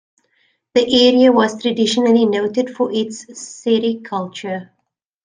The area was traditionally noted for its sericulture.